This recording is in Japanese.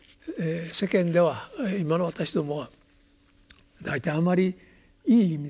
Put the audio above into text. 世間では今の私どもは大体あまりいい意味で使わない。